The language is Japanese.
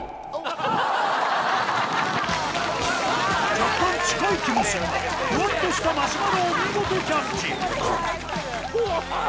若干近い気もするがふわっとしたマシュマロを見事キャッチうわっ！